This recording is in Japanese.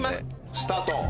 スタート。